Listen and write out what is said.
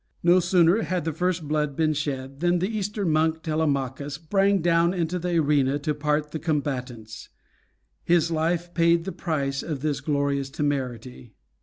No sooner had the first blood been shed than the Eastern monk Telemachus sprang down into the arena to part the combatants. His life paid the price of his glorious temerity.